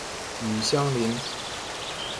与相邻。